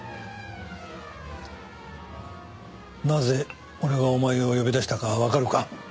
なぜ俺がお前を呼び出したかわかるか？